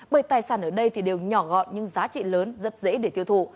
bởi tài sản ở đây thì đều nhỏ gọn nhưng giá trị lớn rất dễ để tiêu thụ